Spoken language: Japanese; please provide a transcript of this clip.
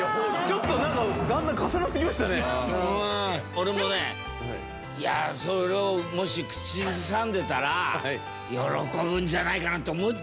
俺もねそれをもし口ずさんでたら喜ぶんじゃないかなって思っちゃうね。